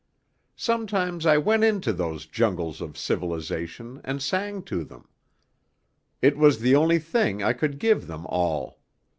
Sometimes I went into those jungles of civilization and sang to them. It was the only thing I could give them all.